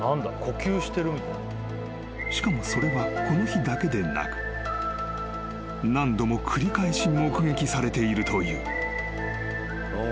［しかもそれはこの日だけでなく何度も繰り返し目撃されているという］